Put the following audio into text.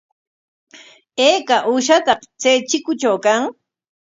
¿Ayka uushataq chay chikutraw kan?